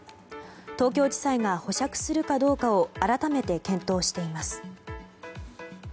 東京地裁が保釈するかどうかを改めて検討しています。